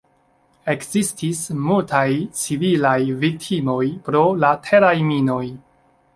Ekzistis multaj civilaj viktimoj pro la teraj minoj.